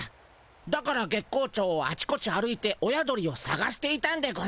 だから月光町をあちこち歩いて親鳥をさがしていたんでゴンス。